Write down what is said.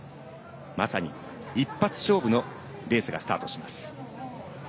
まさに一発勝負のレースがスタートします。